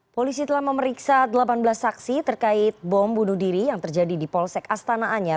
polisi telah memeriksa delapan belas saksi terkait bom bunuh diri yang terjadi di polsek astana anyar